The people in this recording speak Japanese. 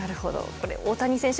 これ、大谷選手